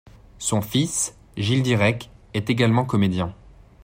Son fils, Gilles Dyrek, est également comédien.